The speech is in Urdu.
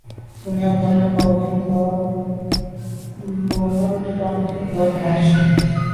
دنیا بھر میں خواتین کا ڈونلڈ ٹرمپ کے خلاف مارچ